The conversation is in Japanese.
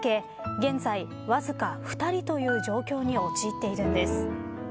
現在、わずか２人という状況に陥っているんです。